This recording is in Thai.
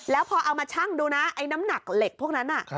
แล้วพอเอามาชั่งดูนะไอ้น้ำหนักเหล็กพวกนั้น